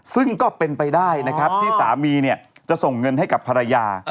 ซึ่งก็เป็นไปได้นะครับที่สามีเนี่ยจะส่งเงินให้กับภรรยา